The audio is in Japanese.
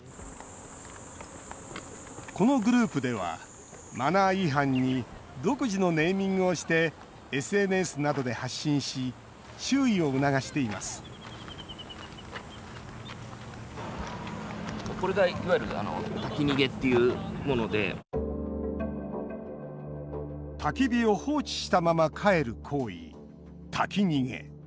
このグループではマナー違反に独自のネーミングをしてＳＮＳなどで発信し注意を促していますたき火を放置したまま帰る行為たき逃げ。